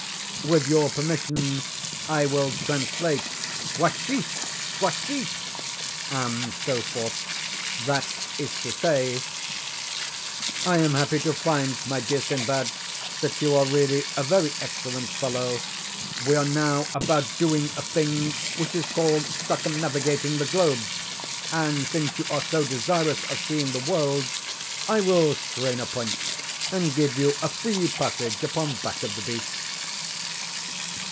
With your permission, I will translate. 'Washish squashish,' and so forth:—that is to say, 'I am happy to find, my dear Sinbad, that you are really a very excellent fellow; we are now about doing a thing which is called circumnavigating the globe; and since you are so desirous of seeing the world, I will strain a point and give you a free passage upon back of the beast.